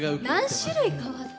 何種類変わった？